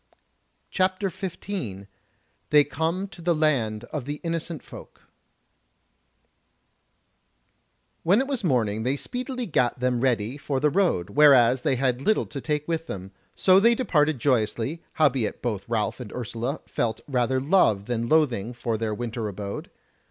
CHAPTER 15 They Come to the Land of the Innocent Folk When it was morning they speedily gat them ready for the road, whereas they had little to take with them; so they departed joyously, howbeit both Ralph and Ursula felt rather love than loathing for their winter abode.